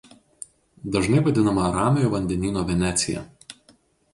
Dažnai vadinama Ramiojo Vandenyno Venecija.